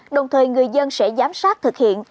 đồng thời người dân sẽ giám sát thực hiện